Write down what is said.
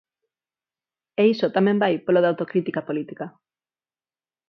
E iso tamén vai polo da autocrítica política.